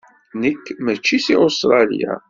Nekk mačči seg Ustṛalya.